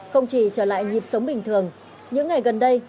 không chỉ trở lại nhịp sống bình thường những ngày gần đây